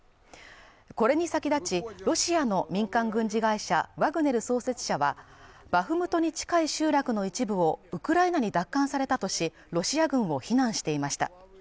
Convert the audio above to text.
これに先立ちロシアの民間軍事会社ワグネル創設者はバフムトに近い集落の一部をウクライナに奪還されたとし、ロシア軍を非難していました。